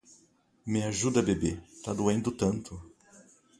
Me ajuda bebê, tá doendo tanto